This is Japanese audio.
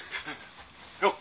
よっ。